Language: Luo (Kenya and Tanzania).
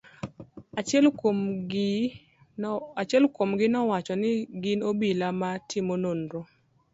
Achiel kuom gi nowacho ni gin obila ma timo nonro.